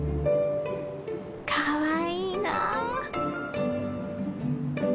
かわいいな。